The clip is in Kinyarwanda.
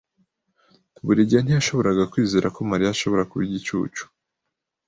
Buregeya ntiyashoboraga kwizera ko Mariya ashobora kuba igicucu.